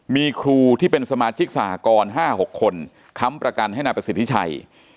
มีครูที่เป็นสมาชิกสหกร๕๖คนค้ำประกันให้นายประสิทธิชัย